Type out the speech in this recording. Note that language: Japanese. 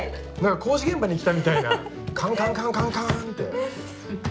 工事現場に来たみたいなカンカンカンカンカンッて。